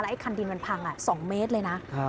ไอ้คันดินมันพัง๒เมตรเลยนะ